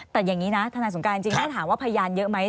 แต่อย่างนี้นะทนายสงการจริงถ้าถามว่าพยานเยอะไหม